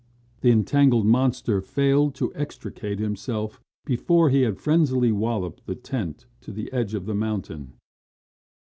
The entangled monster failed to extricate himself before he had frenziedly walloped the tent to the edge of the mountain.